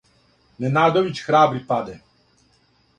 Ненадовић храбри паде